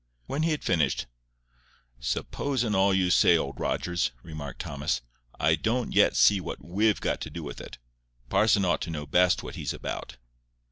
When he had finished, "Supposing all you say, Old Rogers," remarked Thomas, "I don't yet see what WE'VE got to do with it. Parson ought to know best what he's about."